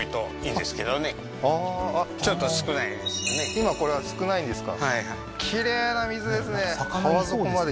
今これは少ないんですか？